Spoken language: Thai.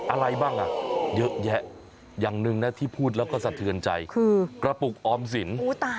อะไรบ้างอ่ะเยอะแยะอย่างหนึ่งนะที่พูดแล้วก็สะเทือนใจคือกระปุกออมสิน